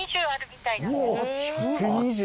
１２０？